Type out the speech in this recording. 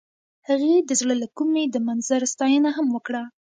هغې د زړه له کومې د منظر ستاینه هم وکړه.